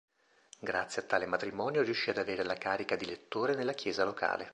Grazie a tale matrimonio riuscì ad avere la carica di lettore nella chiesa locale.